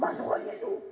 masuk aja itu